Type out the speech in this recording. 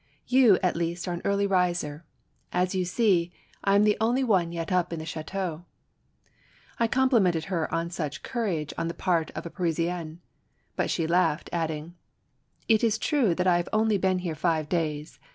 "You, at least, are an early riser! As you see, I am the only one yet up in the chateau." I complimented her on such courage on the part of a Parisienne. But she added, laughing :" It is true that I've only been here five days.